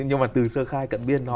nhưng mà từ sơ khai cận biên